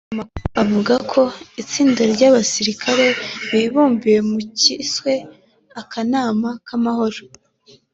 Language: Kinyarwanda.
Amakuru avuga ko itsinda ry’abasirikare bibumbiye mu cyiswe ‘akanama k’amahoro’